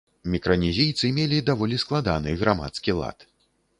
Мікранезійцы мелі даволі складаны грамадскі лад.